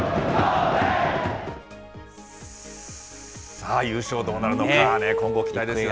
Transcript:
さあ、優勝、どうなるのか、今後、期待ですよね。